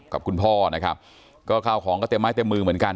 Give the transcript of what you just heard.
กับคุณพ่อนะครับก็ข้าวของก็เต็มไม้เต็มมือเหมือนกัน